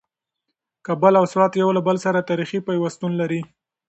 کابل او سوات یو له بل سره تاریخي پیوستون لري.